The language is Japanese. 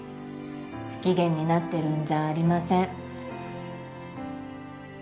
不機嫌になってるんじゃありません！